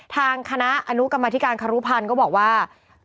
ทางคณะอนุกรรมธิการครุพันธ์ก็บอกว่า